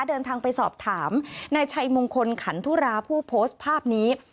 เดินทางไปสอบถามนายชัยมงคลขันทุราผู้โพสต์ภาพนี้